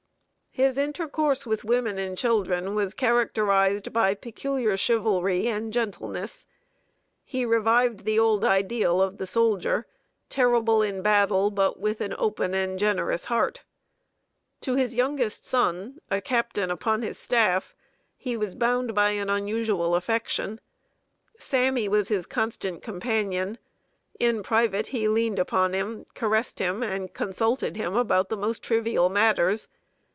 His intercourse with women and children was characterized by peculiar chivalry and gentleness. He revived the old ideal of the soldier terrible in battle, but with an open and generous heart. To his youngest son a captain upon his staff he was bound by unusual affection. "Sammy" was his constant companion; in private he leaned upon him, caressed him, and consulted him about the most trivial matters.